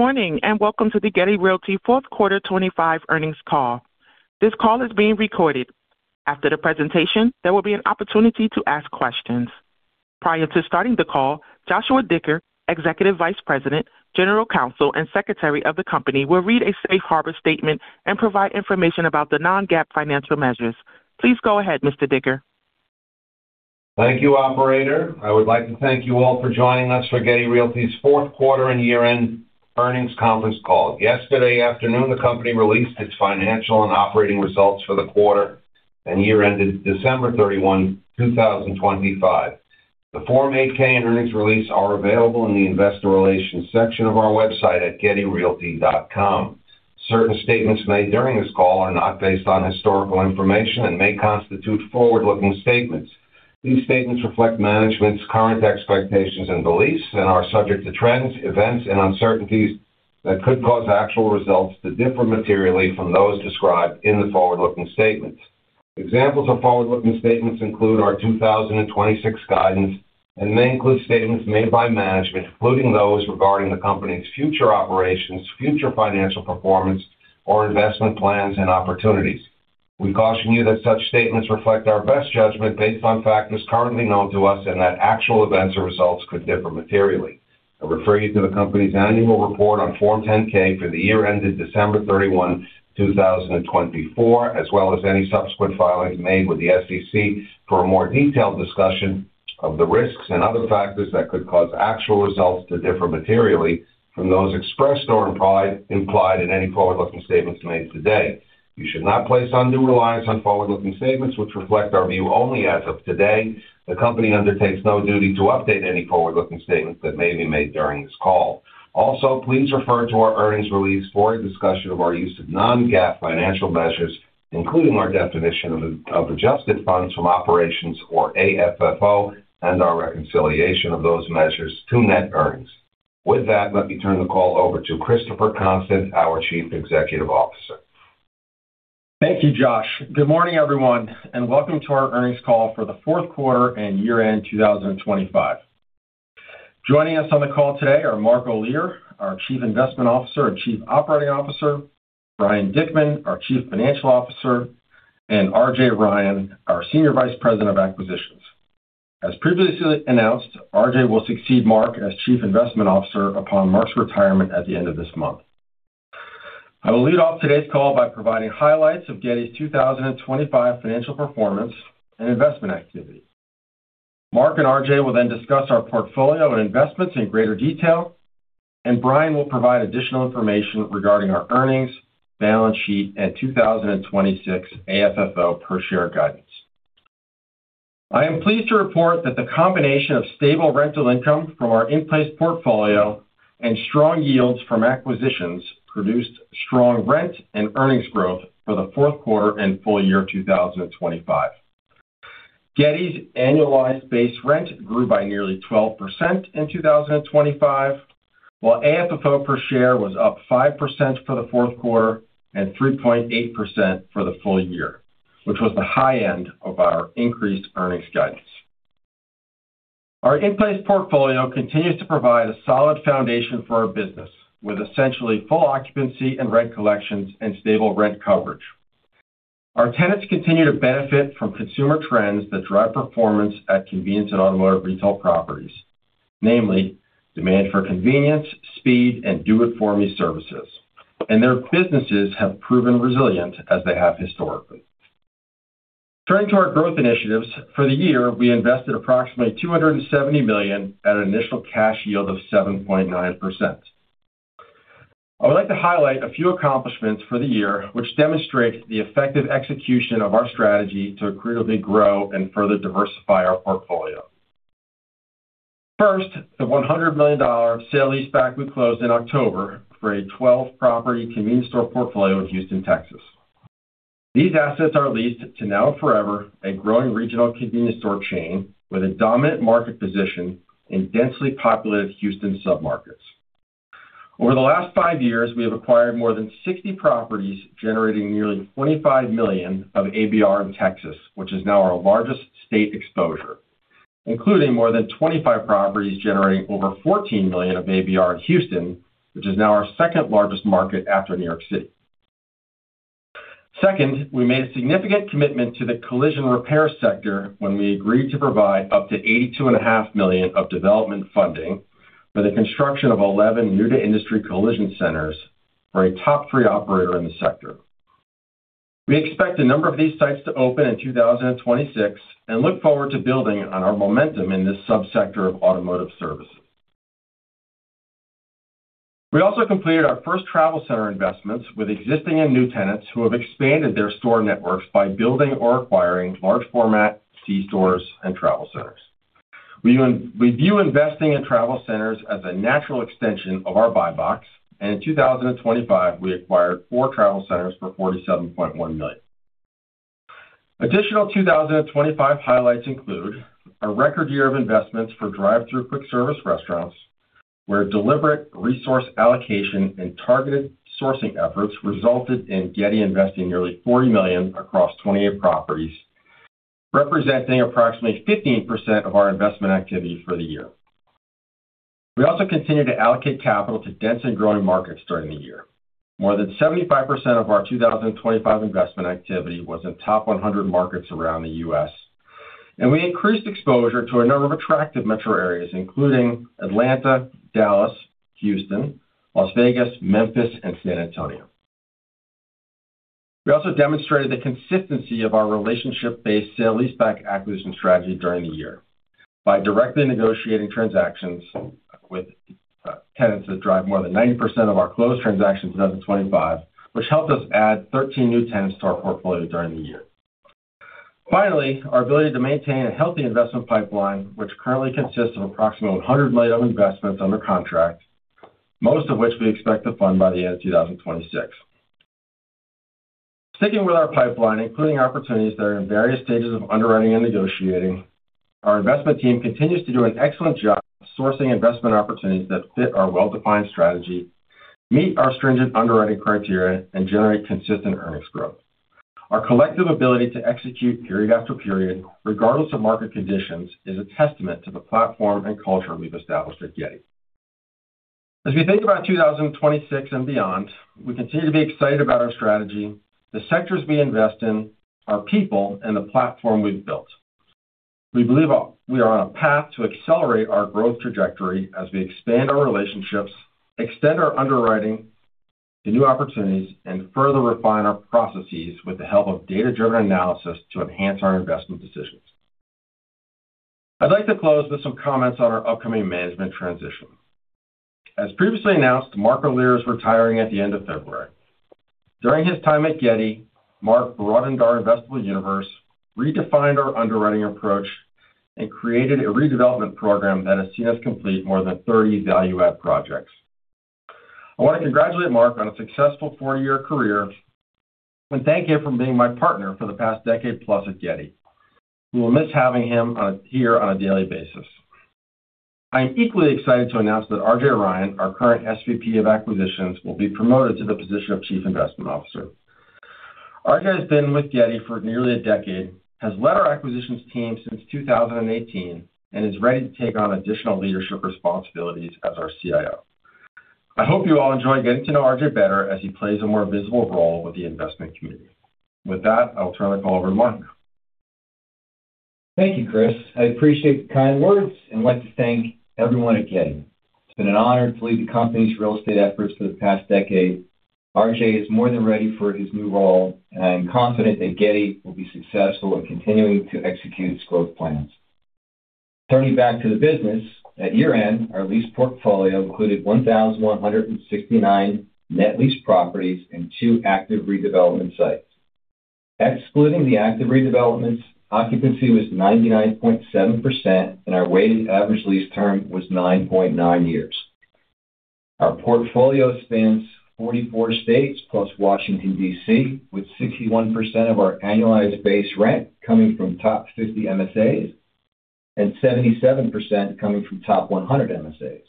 Good morning, and welcome to the Getty Realty fourth quarter 2025 earnings call. This call is being recorded. After the presentation, there will be an opportunity to ask questions. Prior to starting the call, Joshua Dicker, Executive Vice President, General Counsel, and Secretary of the company, will read a safe harbor statement and provide information about the non-GAAP financial measures. Please go ahead, Mr. Dicker. Thank you, operator. I would like to thank you all for joining us for Getty Realty's fourth quarter and year-end earnings conference call. Yesterday afternoon, the company released its financial and operating results for the quarter and year ended December 31, 2025. The Form 8-K and earnings release are available in the investor relations section of our website at gettyrealty.com. Certain statements made during this call are not based on historical information and may constitute forward-looking statements. These statements reflect management's current expectations and beliefs and are subject to trends, events, and uncertainties that could cause actual results to differ materially from those described in the forward-looking statements. Examples of forward-looking statements include our 2026 guidance and may include statements made by management, including those regarding the company's future operations, future financial performance, or investment plans and opportunities. We caution you that such statements reflect our best judgment based on factors currently known to us, and that actual events or results could differ materially. I refer you to the company's annual report on Form 10-K for the year ended December 31, 2024, as well as any subsequent filings made with the SEC for a more detailed discussion of the risks and other factors that could cause actual results to differ materially from those expressed or implied in any forward-looking statements made today. You should not place undue reliance on forward-looking statements, which reflect our view only as of today. The company undertakes no duty to update any forward-looking statements that may be made during this call. Also, please refer to our earnings release for a discussion of our use of non-GAAP financial measures, including our definition of adjusted funds from operations or AFFO and our reconciliation of those measures to net earnings. With that, let me turn the call over to Christopher Constant, our Chief Executive Officer. Thank you, Josh. Good morning, everyone, and welcome to our earnings call for the fourth quarter and year-end 2025. Joining us on the call today are Mark Olear, our Chief Investment Officer and Chief Operating Officer, Brian Dickman, our Chief Financial Officer, and RJ Ryan, our Senior Vice President of Acquisitions. As previously announced, RJ will succeed Mark as Chief Investment Officer upon Mark's retirement at the end of this month. I will lead off today's call by providing highlights of Getty's 2025 financial performance and investment activity. Mark and RJ will then discuss our portfolio and investments in greater detail, and Brian will provide additional information regarding our earnings, balance sheet, and 2026 AFFO per share guidance. I am pleased to report that the combination of stable rental income from our in-place portfolio and strong yields from acquisitions produced strong rent and earnings growth for the fourth quarter and full year 2025. Getty's annualized base rent grew by nearly 12% in 2025, while AFFO per share was up 5% for the fourth quarter and 3.8% for the full year, which was the high end of our increased earnings guidance. Our in-place portfolio continues to provide a solid foundation for our business, with essentially full occupancy and rent collections and stable rent coverage. Our tenants continue to benefit from consumer trends that drive performance at convenience and automotive retail properties, namely demand for convenience, speed, and do it for me services, and their businesses have proven resilient as they have historically. Turning to our growth initiatives, for the year, we invested approximately $270 million at an initial cash yield of 7.9%. I would like to highlight a few accomplishments for the year, which demonstrate the effective execution of our strategy to accretively grow and further diversify our portfolio. First, the $100 million sale-leaseback we closed in October for a 12-property convenience store portfolio in Houston, Texas. These assets are leased to Now & Forever, a growing regional convenience store chain with a dominant market position in densely populated Houston submarkets. Over the last five years, we have acquired more than 60 properties, generating nearly $25 million of ABR in Texas, which is now our largest state exposure, including more than 25 properties, generating over $14 million of ABR in Houston, which is now our second-largest market after New York City. Second, we made a significant commitment to the collision repair sector when we agreed to provide up to $82.5 million of development funding for the construction of 11 new-to-industry collision centers for a top three operator in the sector. We expect a number of these sites to open in 2026 and look forward to building on our momentum in this subsector of automotive services. We also completed our first travel center investments with existing and new tenants who have expanded their store networks by building or acquiring large format C-stores and travel centers. We view investing in travel centers as a natural extension of our buy box, and in 2025, we acquired four travel centers for $47.1 million. Additional 2025 highlights include a record year of investments for drive-through quick service restaurants, where deliberate resource allocation and targeted sourcing efforts resulted in Getty investing nearly $40 million across 28 properties, representing approximately 15% of our investment activity for the year. We also continued to allocate capital to dense and growing markets during the year. More than 75% of our 2025 investment activity was in top 100 markets around the U.S., and we increased exposure to a number of attractive metro areas, including Atlanta, Dallas, Houston, Las Vegas, Memphis and San Antonio. We also demonstrated the consistency of our relationship-based sale-leaseback acquisition strategy during the year by directly negotiating transactions with tenants that drive more than 90% of our closed transactions in 2025, which helped us add 13 new tenants to our portfolio during the year. Finally, our ability to maintain a healthy investment pipeline, which currently consists of approximately $100 million of investments under contract, most of which we expect to fund by the end of 2026. Sticking with our pipeline, including opportunities that are in various stages of underwriting and negotiating, our investment team continues to do an excellent job sourcing investment opportunities that fit our well-defined strategy, meet our stringent underwriting criteria, and generate consistent earnings growth. Our collective ability to execute period after period, regardless of market conditions, is a testament to the platform and culture we've established at Getty. As we think about 2026 and beyond, we continue to be excited about our strategy, the sectors we invest in, our people, and the platform we've built. We believe we are on a path to accelerate our growth trajectory as we expand our relationships, extend our underwriting to new opportunities, and further refine our processes with the help of data-driven analysis to enhance our investment decisions. I'd like to close with some comments on our upcoming management transition. As previously announced, Mark Olear is retiring at the end of February. During his time at Getty, Mark broadened our investable universe, redefined our underwriting approach, and created a redevelopment program that has seen us complete more than 30 value add projects. I want to congratulate Mark on a successful 40-year career, and thank him for being my partner for the past decade plus at Getty. We will miss having him here on a daily basis. I am equally excited to announce that RJ Ryan, our current SVP of Acquisitions, will be promoted to the position of Chief Investment Officer. RJ has been with Getty for nearly a decade, has led our acquisitions team since 2018, and is ready to take on additional leadership responsibilities as our CIO. I hope you all enjoy getting to know RJ better as he plays a more visible role with the investment community. With that, I'll turn the call over to Mark. Thank you, Chris. I appreciate the kind words and would like to thank everyone at Getty. It's been an honor to lead the company's real estate efforts for the past decade. RJ is more than ready for his new role, and I'm confident that Getty will be successful in continuing to execute its growth plans. Turning back to the business, at year-end, our lease portfolio included 1,169 net lease properties and two active redevelopment sites. Excluding the active redevelopments, occupancy was 99.7%, and our weighted average lease term was 9.9 years. Our portfolio spans 44 states plus Washington, D.C., with 61% of our annualized base rent coming from top 50 MSAs, and 77% coming from top 100 MSAs.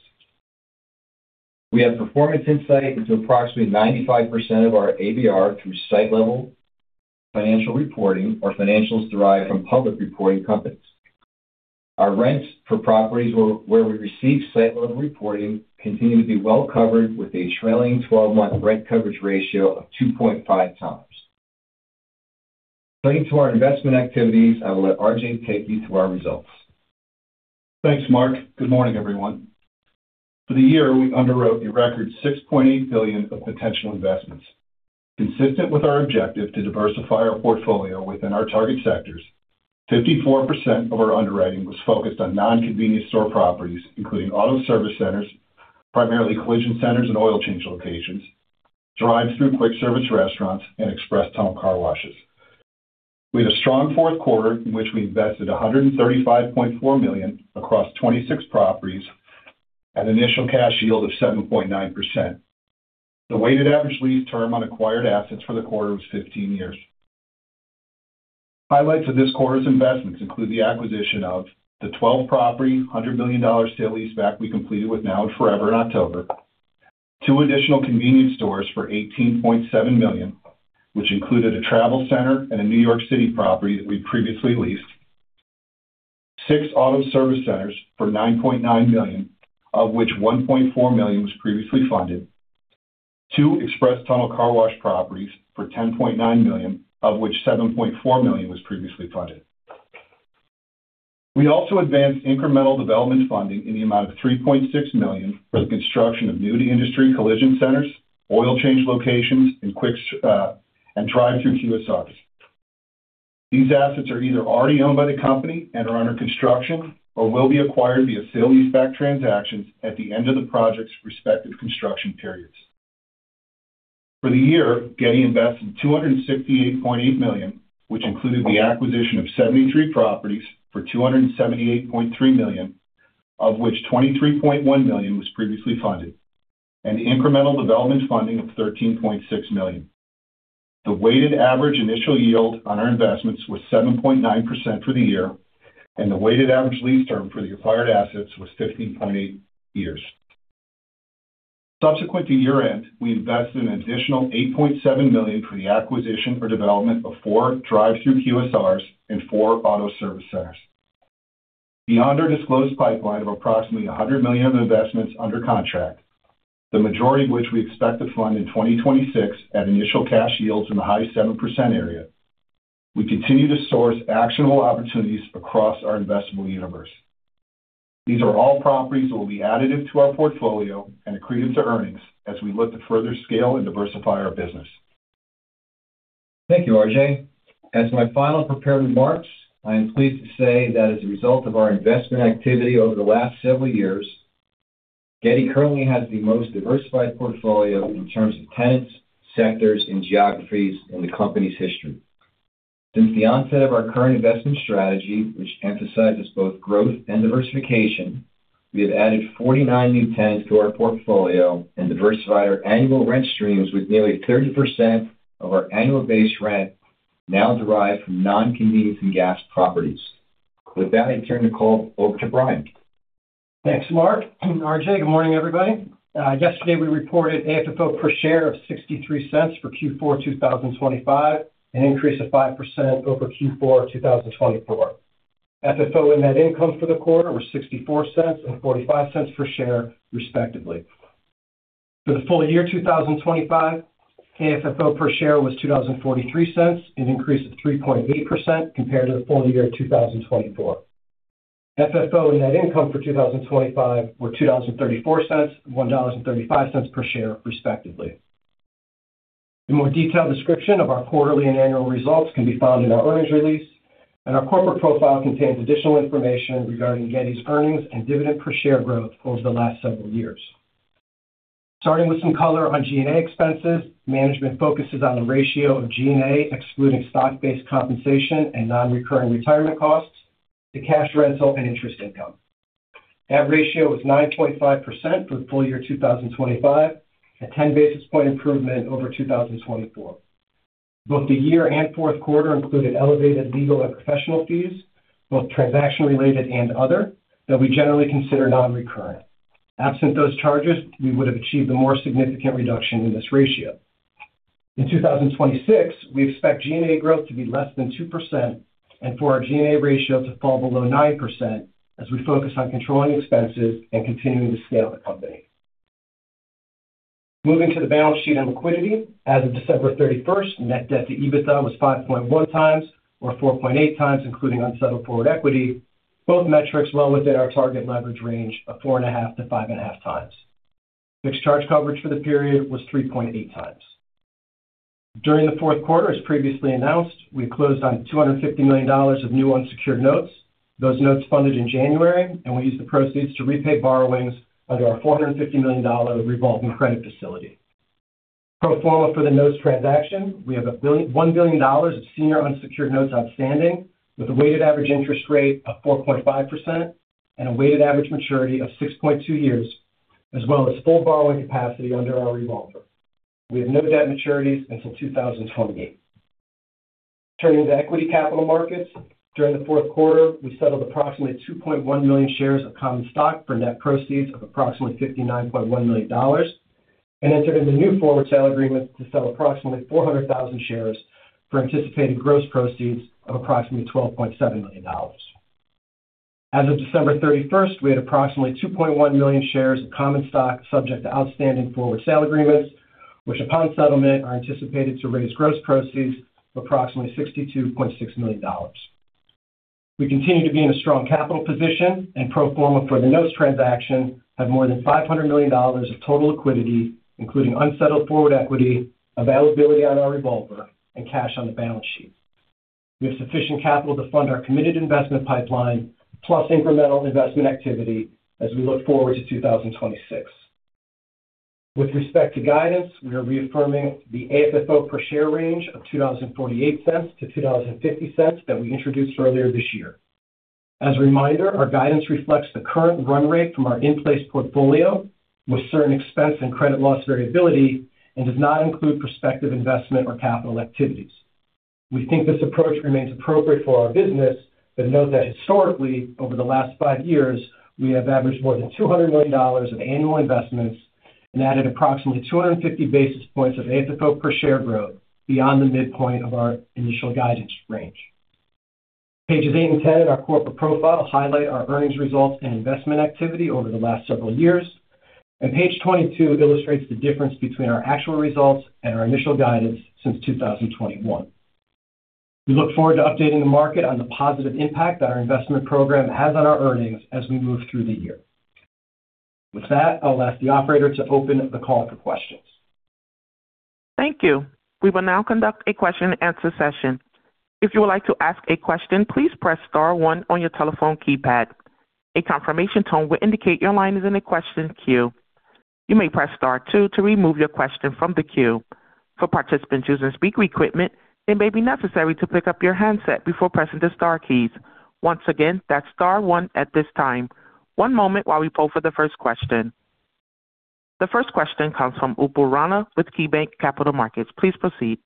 We have performance insight into approximately 95% of our ABR through site level financial reporting or financials derived from public reporting companies. Our rents for properties where we receive site level reporting continue to be well covered, with a trailing 12-month rent coverage ratio of 2.5x. Turning to our investment activities, I will let RJ take you through our results. Thanks, Mark. Good morning, everyone. For the year, we underwrote a record $6.8 billion of potential investments. Consistent with our objective to diversify our portfolio within our target sectors, 54% of our underwriting was focused on non-convenience store properties, including auto service centers, primarily collision centers and oil change locations, drive-through quick service restaurants, and express tunnel car washes. We had a strong fourth quarter, in which we invested $135.4 million across 26 properties at an initial cash yield of 7.9%. The weighted average lease term on acquired assets for the quarter was 15 years. Highlights of this quarter's investments include the acquisition of the 12-property, $100 million sale-leaseback we completed with Now & Forever in October, two additional convenience stores for $18.7 million, which included a travel center and a New York City property that we previously leased. Six auto service centers for $9.9 million, of which $1.4 million was previously funded. Two express tunnel car wash properties for $10.9 million, of which $7.4 million was previously funded. We also advanced incremental development funding in the amount of $3.6 million for the construction of new-to-industry collision centers, oil change locations, and quick, and drive-through QSRs. These assets are either already owned by the company and are under construction or will be acquired via sale-leaseback transactions at the end of the project's respective construction periods. For the year, Getty invested $268.8 million, which included the acquisition of 73 properties for $278.3 million, of which $23.1 million was previously funded, and incremental development funding of $13.6 million. The weighted average initial yield on our investments was 7.9% for the year, and the weighted average lease term for the acquired assets was 15.8 years. Subsequent to year-end, we invested an additional $8.7 million for the acquisition or development of four drive-thru QSRs and four auto service centers. Beyond our disclosed pipeline of approximately $100 million of investments under contract, the majority of which we expect to fund in 2026 at initial cash yields in the high 7% area, we continue to source actionable opportunities across our investable universe. These are all properties that will be additive to our portfolio and accretive to earnings as we look to further scale and diversify our business. Thank you, RJ. As my final prepared remarks, I am pleased to say that as a result of our investment activity over the last several years, Getty currently has the most diversified portfolio in terms of tenants, sectors, and geographies in the company's history. Since the onset of our current investment strategy, which emphasizes both growth and diversification, we have added 49 new tenants to our portfolio and diversified our annual rent streams, with nearly 30% of our annual base rent now derived from non-convenience and gas properties. With that, I turn the call over to Brian. Thanks, Mark. RJ, good morning, everybody. Yesterday, we reported AFFO per share of $0.63 for Q4 2025, an increase of 5% over Q4 2024. FFO and net income for the quarter were $0.64 and $0.45 per share, respectively. For the full year 2025, AFFO per share was $20.43, an increase of 3.8% compared to the full year 2024. FFO and net income for 2025 were $20.34, $1.35 per share, respectively. A more detailed description of our quarterly and annual results can be found in our earnings release, and our corporate profile contains additional information regarding Getty's earnings and dividend per share growth over the last several years. Starting with some color on G&A expenses, management focuses on the ratio of G&A, excluding stock-based compensation and non-recurring retirement costs, to cash rental and interest income. That ratio was 9.5% for the full year 2025, a 10 basis point improvement over 2024. Both the year and fourth quarter included elevated legal and professional fees, both transaction-related and other, that we generally consider non-recurring. Absent those charges, we would have achieved a more significant reduction in this ratio. In 2026, we expect G&A growth to be less than 2% and for our G&A ratio to fall below 9% as we focus on controlling expenses and continuing to scale the company. Moving to the balance sheet and liquidity, as of December 31, net debt to EBITDA was 5.1x or 4.8x, including unsettled forward equity, both metrics well within our target leverage range of 4.5x-5.5x. Fixed charge coverage for the period was 3.8x. During the fourth quarter, as previously announced, we closed on $250 million of new unsecured notes. Those notes funded in January, and we used the proceeds to repay borrowings under our $450 million revolving credit facility. Pro forma for the notes transaction, we have $1 billion of senior unsecured notes outstanding, with a weighted average interest rate of 4.5% and a weighted average maturity of 6.2 years, as well as full borrowing capacity under our revolver. We have no debt maturities until 2028. Turning to equity capital markets, during the fourth quarter, we settled approximately 2.1 million shares of common stock for net proceeds of approximately $59.1 million and entered into new forward sale agreements to sell approximately 400,000 shares for anticipated gross proceeds of approximately $12.7 million. As of December 31, we had approximately 2.1 million shares of common stock subject to outstanding forward sale agreements, which, upon settlement, are anticipated to raise gross proceeds of approximately $62.6 million. We continue to be in a strong capital position, and pro forma for the notes transaction, have more than $500 million of total liquidity, including unsettled forward equity, availability on our revolver, and cash on the balance sheet. We have sufficient capital to fund our committed investment pipeline, plus incremental investment activity as we look forward to 2026. With respect to guidance, we are reaffirming the AFFO per share range of $20.48-$20.50 that we introduced earlier this year. As a reminder, our guidance reflects the current run rate from our in-place portfolio with certain expense and credit loss variability and does not include prospective investment or capital activities. We think this approach remains appropriate for our business, but note that historically, over the last five years, we have averaged more than $200 million of annual investments and added approximately 250 basis points of AFFO per share growth beyond the midpoint of our initial guidance range. Pages eight and 10 of our corporate profile highlight our earnings results and investment activity over the last several years, and page 22 illustrates the difference between our actual results and our initial guidance since 2021. We look forward to updating the market on the positive impact that our investment program has on our earnings as we move through the year. With that, I'll ask the operator to open the call for questions. Thank you. We will now conduct a question-and-answer session. If you would like to ask a question, please press star one on your telephone keypad. A confirmation tone will indicate your line is in the question queue. You may press star two to remove your question from the queue. For participants using speaker equipment, it may be necessary to pick up your handset before pressing the star keys. Once again, that's star one at this time. One moment while we poll for the first question. The first question comes from Upal Rana with KeyBanc Capital Markets. Please proceed.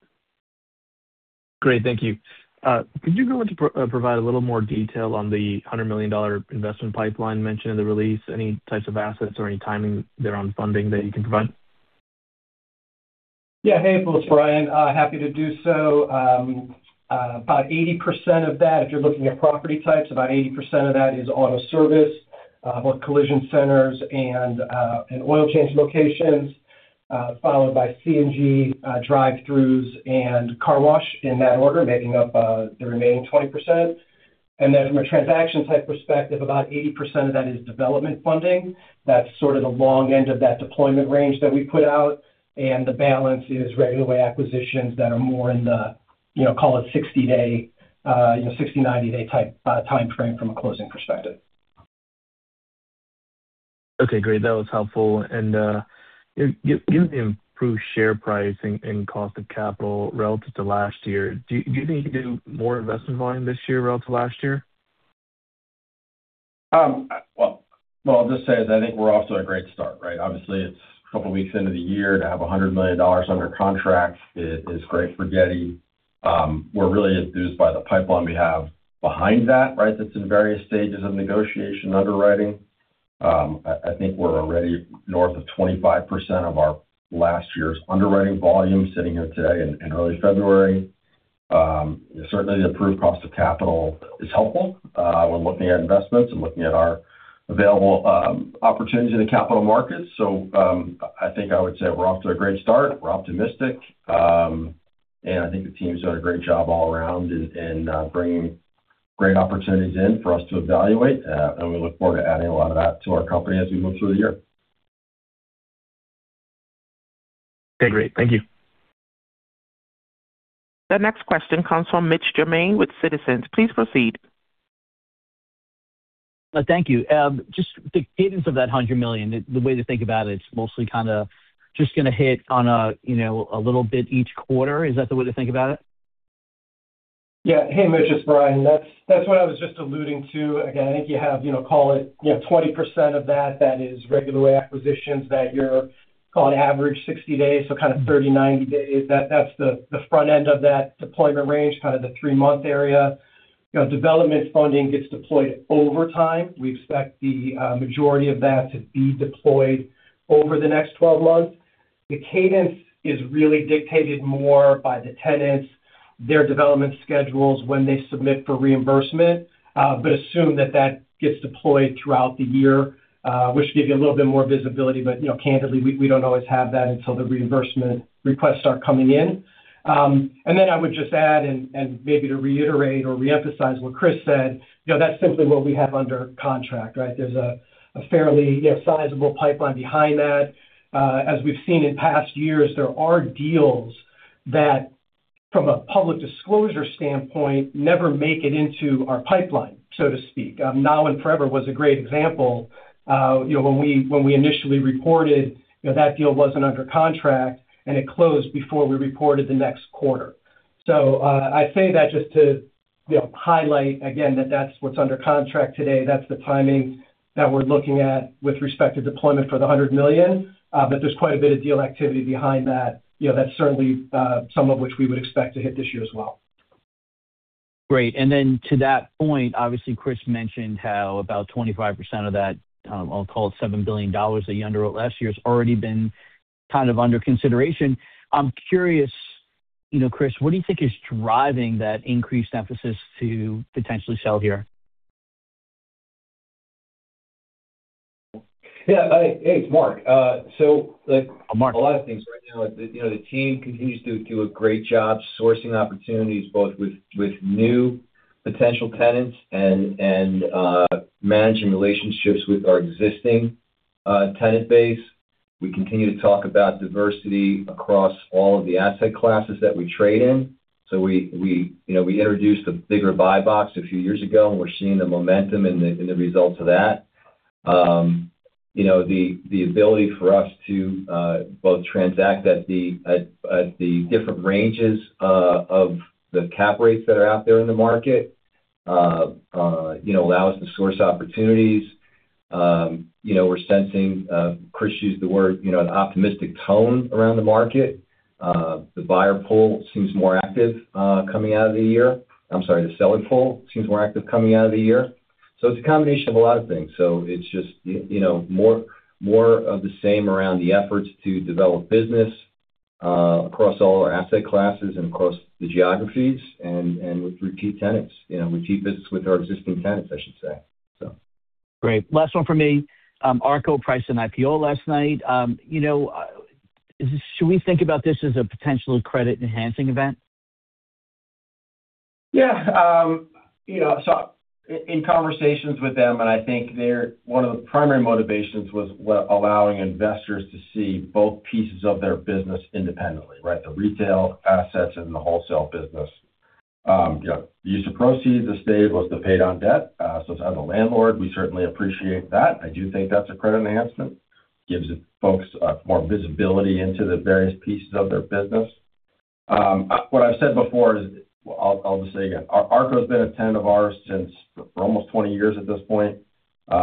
Great. Thank you. Could you provide a little more detail on the $100 million investment pipeline mentioned in the release? Any types of assets or any timing there on funding that you can provide? Yeah. Hey, folks, Brian, happy to do so. About 80% of that, if you're looking at property types, about 80% of that is auto service, more collision centers and oil change locations, followed by C&G, drive-thrus and car wash, in that order, making up the remaining 20%. And then from a transaction type perspective, about 80% of that is development funding. That's sort of the long end of that deployment range that we put out, and the balance is regular way acquisitions that are more in the, you know, call it 60-day, you know, 60-90-day type timeframe from a closing perspective. Okay, great. That was helpful. And given the improved share price and cost of capital relative to last year, do you think you can do more investment volume this year relative to last year? Well, I'll just say is I think we're off to a great start, right? Obviously, it's a couple weeks into the year. To have $100 million under contract is great for Getty. We're really enthused by the pipeline we have behind that, right? That's in various stages of negotiation, underwriting. I think we're already north of 25% of our last year's underwriting volume sitting here today in early February. Certainly the improved cost of capital is helpful when looking at investments and looking at our available opportunities in the capital markets. So, I think I would say we're off to a great start. We're optimistic. And I think the team's done a great job all around in bringing great opportunities in for us to evaluate. We look forward to adding a lot of that to our company as we move through the year. Great. Thank you. The next question comes from Mitch Germain with Citizens. Please proceed. Thank you. Just the cadence of that $100 million, the way to think about it, it's mostly kind of just gonna hit on a, you know, a little bit each quarter. Is that the way to think about it? Yeah. Hey, Mitch, it's Brian. That's what I was just alluding to. Again, I think you have, you know, call it, you know, 20% of that that is regular way acquisitions that you're on average 60 days, so kind of 30-90 days. That's the front end of that deployment range, kind of the three-month area. You know, development funding gets deployed over time. We expect the majority of that to be deployed over the next 12 months. The cadence is really dictated more by the tenants, their development schedules, when they submit for reimbursement, but assume that that gets deployed throughout the year, which should give you a little bit more visibility. But, you know, candidly, we don't always have that until the reimbursement requests start coming in. And then I would just add, and maybe to reiterate or reemphasize what Chris said, you know, that's simply what we have under contract, right? There's a fairly, you know, sizable pipeline behind that. As we've seen in past years, there are deals that, from a public disclosure standpoint, never make it into our pipeline, so to speak. Now & Forever was a great example. You know, when we initially reported, you know, that deal wasn't under contract, and it closed before we reported the next quarter. So, I say that just to, you know, highlight again, that that's what's under contract today. That's the timing that we're looking at with respect to deployment for the $100 million, but there's quite a bit of deal activity behind that. You know, that's certainly, some of which we would expect to hit this year as well. Great. And then to that point, obviously, Chris mentioned how about 25% of that, I'll call it $7 billion, that you underwrote last year, has already been kind of under consideration. I'm curious, you know, Chris, what do you think is driving that increased emphasis to potentially sell here? Yeah. Hey, it's Mark. Hi, Mark. A lot of things right now. You know, the team continues to do a great job sourcing opportunities, both with new potential tenants and managing relationships with our existing tenant base. We continue to talk about diversity across all of the asset classes that we trade in. So we, you know, we introduced the bigger buy box a few years ago, and we're seeing the momentum and the results of that. You know, the ability for us to both transact at the different ranges of the cap rates that are out there in the market, you know, allow us to source opportunities. You know, we're sensing, Chris used the word, you know, an optimistic tone around the market. The buyer pool seems more active coming out of the year. I'm sorry, the selling pool seems more active coming out of the year. So it's a combination of a lot of things. So it's just, you know, more, more of the same around the efforts to develop business, across all our asset classes and across the geographies and with repeat tenants, you know, repeat business with our existing tenants, I should say so. Great. Last one for me. Arko priced an IPO last night. You know, should we think about this as a potential credit-enhancing event? Yeah. You know, so in conversations with them, and I think their one of the primary motivations was allowing investors to see both pieces of their business independently, right? The retail assets and the wholesale business. You know, the use of proceeds as stated was to pay down debt. So as a landlord, we certainly appreciate that. I do think that's a credit enhancement. Gives folks more visibility into the various pieces of their business. What I've said before is, well, I'll, I'll just say again, Arko's been a tenant of ours for almost 20 years at this point. You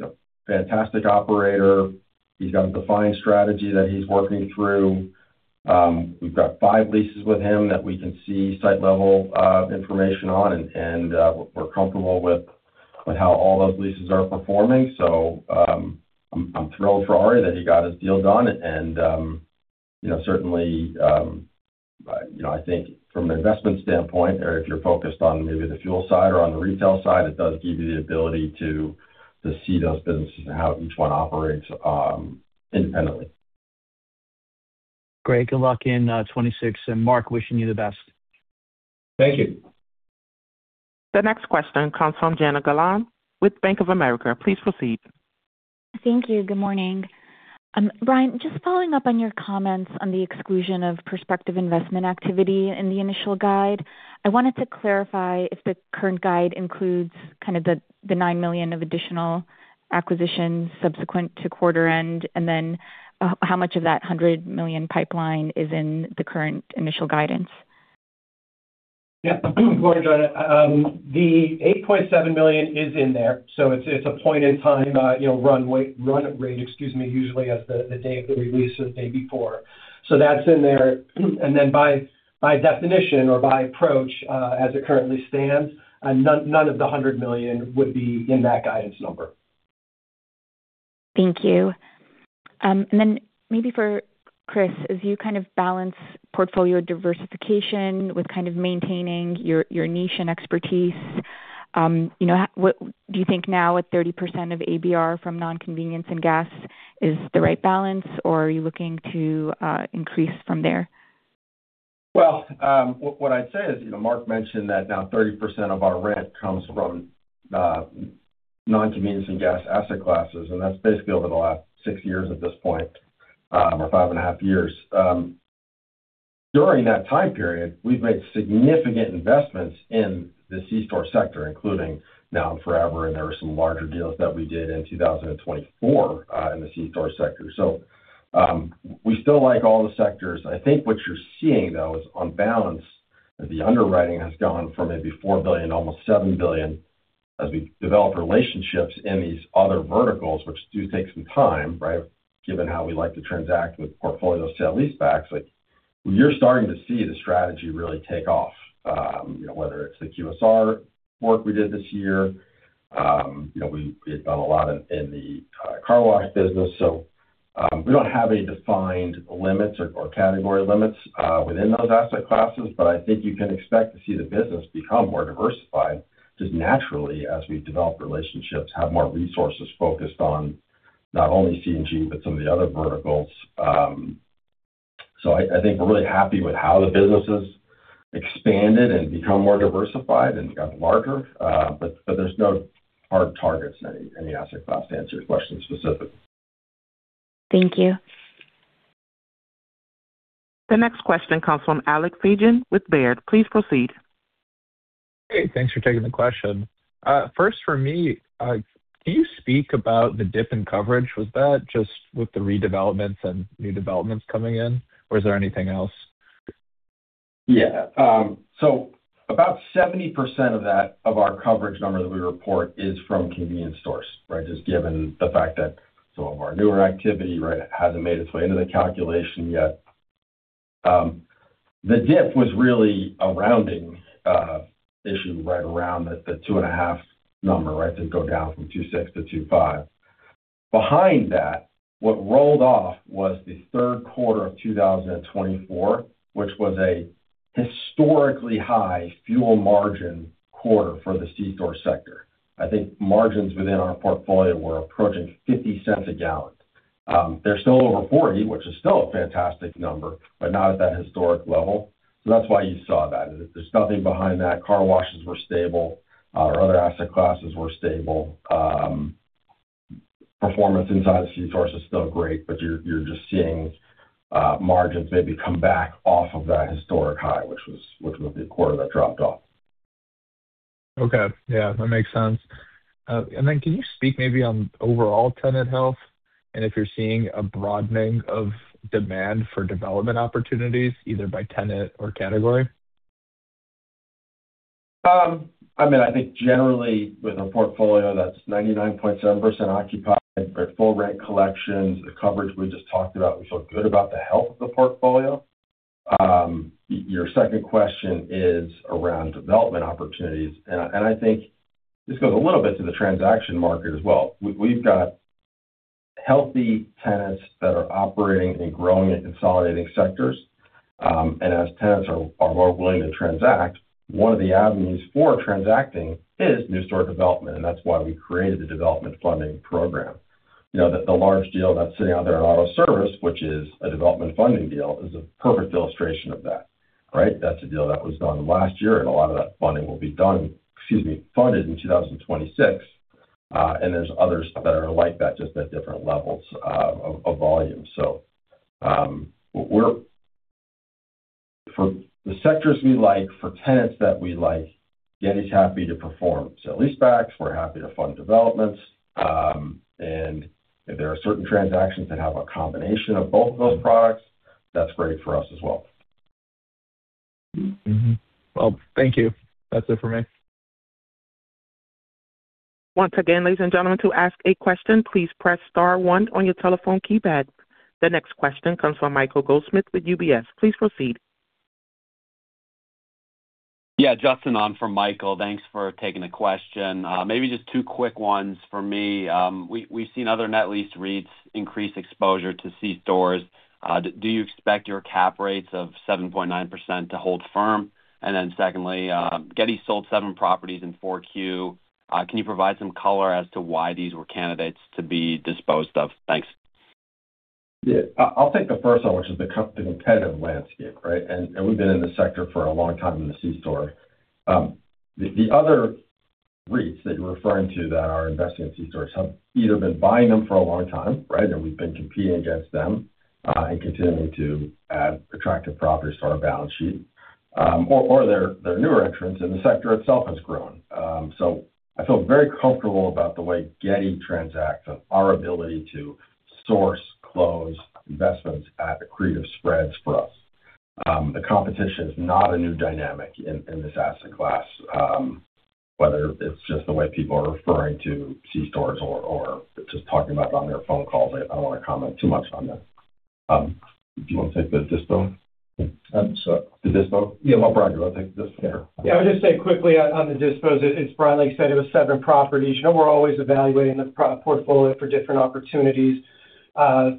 know, fantastic operator. He's got a defined strategy that he's working through. We've got five leases with him that we can see site-level information on, and we're comfortable with how all those leases are performing. So, I'm thrilled for Arie that he got his deal done. And, you know, certainly, you know, I think from an investment standpoint or if you're focused on maybe the fuel side or on the retail side, it does give you the ability to see those businesses and how each one operates independently. Great. Good luck in 2026, and Mark, wishing you the best. Thank you. The next question comes from Jana Galan with Bank of America. Please proceed. Thank you. Good morning. Brian, just following up on your comments on the exclusion of prospective investment activity in the initial guide, I wanted to clarify if the current guide includes kind of the $9 million of additional acquisitions subsequent to quarter end, and then, how much of that $100 million pipeline is in the current initial guidance? Yeah. The $8.7 million is in there, so it's a point in time, you know, run rate, excuse me, usually as the day of the release, the day before. So that's in there. And then by definition or by approach, as it currently stands, none of the $100 million would be in that guidance number. Thank you. And then maybe for Chris, as you kind of balance portfolio diversification with kind of maintaining your niche and expertise, you know, do you think now at 30% of ABR from non-convenience and gas is the right balance, or are you looking to increase from there? Well, what I'd say is, you know, Mark mentioned that now 30% of our rent comes from non-convenience and gas asset classes, and that's basically over the last six years at this point, or 5.5 years. During that time period, we've made significant investments in the C-store sector, including Now & Forever, and there were some larger deals that we did in 2024 in the C-store sector. So, we still like all the sectors. I think what you're seeing, though, is on balance, the underwriting has gone from maybe $4 billion to almost $7 billion as we develop relationships in these other verticals, which do take some time, right? Given how we like to transact with portfolio sale-leasebacks. Like, you're starting to see the strategy really take off, you know, whether it's the QSR work we did this year, you know, we had done a lot in the car wash business. So, we don't have any defined limits or category limits within those asset classes, but I think you can expect to see the business become more diversified just naturally as we develop relationships, have more resources focused on not only C&G, but some of the other verticals. So I think we're really happy with how the business has expanded and become more diversified and gotten larger. But there's no hard targets in any asset class, to answer your question specifically. Thank you. The next question comes from Alex Fijan with Baird. Please proceed. Hey, thanks for taking the question. First for me, can you speak about the dip in coverage? Was that just with the redevelopments and new developments coming in, or is there anything else? Yeah. So about 70% of that, of our coverage number that we report is from convenience stores, right? Just given the fact that some of our newer activity, right, hasn't made its way into the calculation yet. The dip was really a rounding issue right around the 2.5 number, right? To go down from 2.6 to 2.5. Behind that, what rolled off was the third quarter of 2024, which was a historically high fuel margin quarter for the C-store sector. I think margins within our portfolio were approaching $0.50 a gallon. They're still over $0.40, which is still a fantastic number, but not at that historic level. So that's why you saw that. There's nothing behind that. Car washes were stable, our other asset classes were stable. Performance inside the C-store is still great, but you're just seeing margins maybe come back off of that historic high, which was the quarter that dropped off. Okay. Yeah, that makes sense. Then can you speak maybe on overall tenant health and if you're seeing a broadening of demand for development opportunities, either by tenant or category? I mean, I think generally with a portfolio that's 99.7% occupied with full rent collections, the coverage we just talked about, we feel good about the health of the portfolio. Your second question is around development opportunities, and I think this goes a little bit to the transaction market as well. We've got healthy tenants that are operating and growing and consolidating sectors. And as tenants are more willing to transact, one of the avenues for transacting is new store development, and that's why we created the development funding program. You know, the large deal that's sitting out there in auto service, which is a development funding deal, is a perfect illustration of that, right? That's a deal that was done last year, and a lot of that funding will be done, excuse me, funded in 2026. And there's others that are like that, just at different levels of volume. So, we're for the sectors we like, for tenants that we like, Getty's happy to perform sale-leasebacks, we're happy to fund developments, and if there are certain transactions that have a combination of both of those products, that's great for us as well. Well, thank you. That's it for me. Once again, ladies and gentlemen, to ask a question, please press star one on your telephone keypad. The next question comes from Michael Goldsmith with UBS. Please proceed. Yeah, Justin, this is Michael. Thanks for taking the question. Maybe just two quick ones for me. We've seen other net lease REITs increase exposure to C stores. Do you expect your cap rates of 7.9% to hold firm? And then secondly, Getty sold seven properties in 4Q. Can you provide some color as to why these were candidates to be disposed of? Thanks. Yeah. I, I'll take the first one, which is the comp, the competitive landscape, right? And, and we've been in this sector for a long time in the C store. The, the other REITs that you're referring to that are investing in C stores have either been buying them for a long time, right? And we've been competing against them, and continuing to add attractive properties to our balance sheet. Or, or they're, they're newer entrants, and the sector itself has grown. So I feel very comfortable about the way Getty transacts and our ability to source, close investments at accretive spreads for us. The competition is not a new dynamic in, in this asset class, whether it's just the way people are referring to C stores or, or just talking about on their phone calls. I don't want to comment too much on that. Do you want to take the dispo? I'm sorry? The dispo. Yeah. Well, Brian, you want to take the dispo? Yeah. I would just say quickly on the dispositions, it's Brian, like you said, it was seven properties. You know, we're always evaluating the portfolio for different opportunities.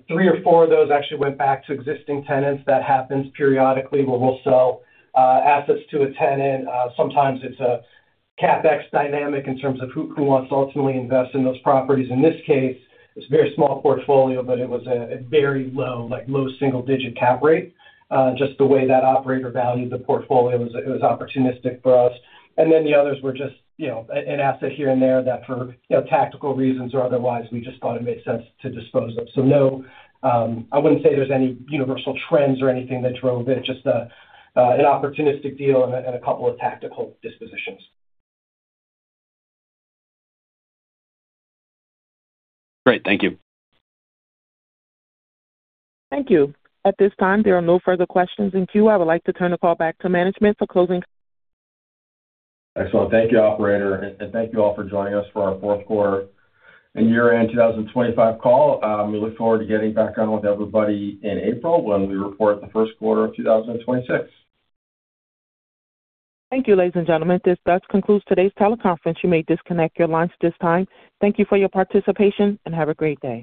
Three or four of those actually went back to existing tenants. That happens periodically, where we'll sell assets to a tenant. Sometimes it's a CapEx dynamic in terms of who wants to ultimately invest in those properties. In this case, it's a very small portfolio, but it was a very low, like, low single-digit cap rate. Just the way that operator valued the portfolio, it was opportunistic for us. And then the others were just, you know, an asset here and there that for, you know, tactical reasons or otherwise, we just thought it made sense to dispose of. So no, I wouldn't say there's any universal trends or anything that drove it, just an opportunistic deal and a couple of tactical dispositions. Great. Thank you. Thank you. At this time, there are no further questions in queue. I would like to turn the call back to management for closing. Excellent. Thank you, operator, and thank you all for joining us for our fourth quarter and year-end 2025 call. We look forward to getting back on with everybody in April, when we report the first quarter of 2026. Thank you, ladies and gentlemen. This does conclude today's teleconference. You may disconnect your lines at this time. Thank you for your participation, and have a great day.